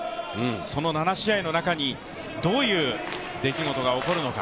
その７試合の中にどういう出来事が起こるのか。